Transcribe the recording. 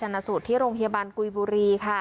หรือไชนสุทธิ์โรงพยาบาลกุยบุรีค่ะ